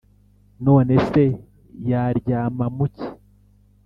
None se yaryama mu ki